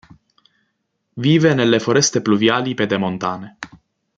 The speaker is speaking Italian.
Vive nelle foreste pluviali pedemontane.